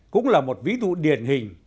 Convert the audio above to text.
cũng là một ví dụ điển hình